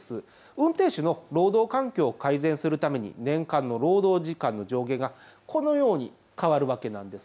運転手の労働環境を改善するために年間の労働時間の上限がこのように変わるわけなんです。